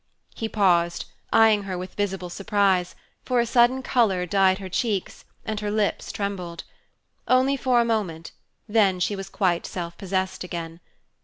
He paused, eyeing her with visible surprise, for a sudden color dyed her cheeks, and her lips trembled. Only for a moment, then she was quite self possessed again.